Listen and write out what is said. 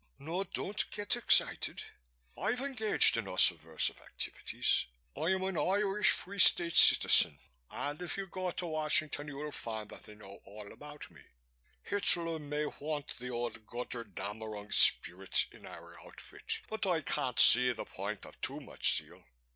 No, don't get excited. I've engaged in no subversive activities, I'm an Irish Free State citizen and if you go to Washington you'll find that they know all about me. Hitler may want the old Goetterdaemmerung spirit in our outfit but I can't see the point of too much zeal."